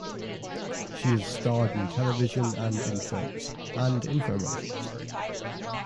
She has starred in television and in films, and infomercials.